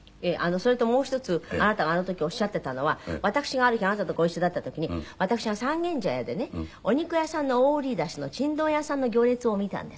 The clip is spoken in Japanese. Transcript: それともう一つあなたがあの時おっしゃっていたのは私がある日あなたとご一緒だった時に私が三軒茶屋でねお肉屋さんの大売り出しのチンドン屋さんの行列を見たんです。